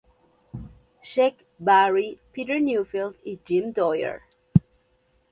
Scheck, Barry, Peter Neufeld, y Jim Dwyer.